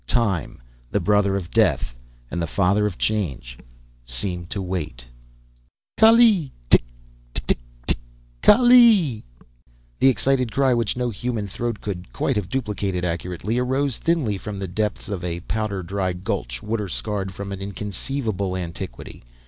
Time, the Brother of Death, and the Father of Change, seemed to wait.... "Kaalleee! Tik!... Tik, tik, tik!... Kaalleee!..." The excited cry, which no human throat could quite have duplicated accurately, arose thinly from the depths of a powder dry gulch, water scarred from an inconceivable antiquity.